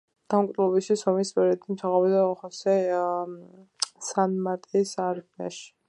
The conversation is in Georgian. დამოუკიდებლობისათვის ომის პერიოდში მსახურობდა ხოსე სან-მარტინის არმიაში.